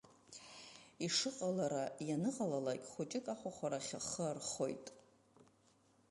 Ишыҟалара-ианыҟалалак, хәыҷык ахәахәарахь ахы архоит.